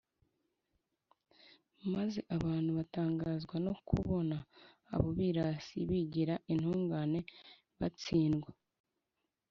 maze abantu batangazwa no kubona abo birasi, bigira intungane batsindwa